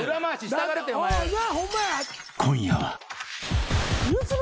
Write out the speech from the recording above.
［今夜は］